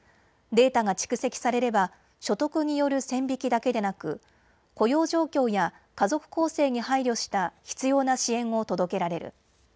データが蓄積されれば所得による線引きだけでなく雇用状況や家族構成に配慮した必要な支援を届けられる。